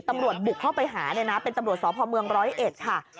ตำรวจบุกเข้าไปหาเป็นตำรวจสอบภอมเมืองร้อยเอ็ดค่ะ